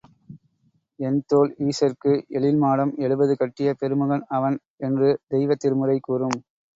எண்தோள் ஈசற்கு எழில் மாடம் எழுபது கட்டிய பெருமகன் அவன் என்று தெய்வத் திருமுறை கூறும்.